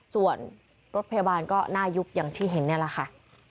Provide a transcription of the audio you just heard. ส่วนรถพยาบาลก็หน้ายุบอย่างที่เห็นนี่แหละค่ะ